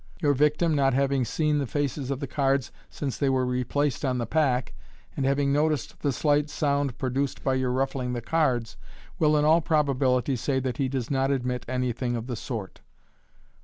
Your victim, not having eeen the faces of the cards since they were replaced on the pack, and having noticed the slight sound produced by your ruffling the cards, will, in all proba bility, say that he does not admit anything of the sort.